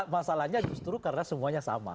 jadi masalahnya justru karena semuanya sama